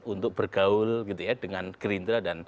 untuk bergaul gitu ya dengan gerindra dan